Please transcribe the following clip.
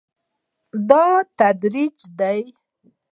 دا تریخ دی